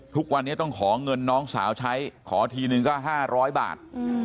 ทุกวันนี้ต้องขอเงินน้องสาวใช้ขอทีนึงก็๕๐๐บาท